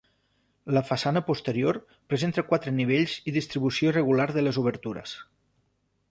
La façana posterior presenta quatre nivells i distribució irregular de les obertures.